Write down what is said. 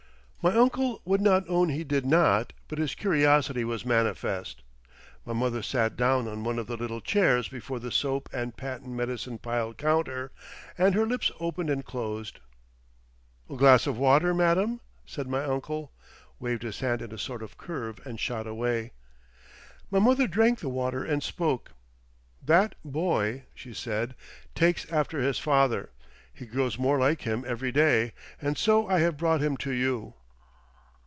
My uncle would not own he did not, but his curiosity was manifest. My mother sat down on one of the little chairs before the soap and patent medicine piled counter, and her lips opened and closed. "A glass of water, madam," said my uncle, waved his hand in a sort of curve and shot away. My mother drank the water and spoke. "That boy," she said, "takes after his father. He grows more like him every day.... And so I have brought him to you."